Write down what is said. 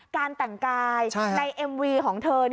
การแต่งกายในเอ็มวีของเธอ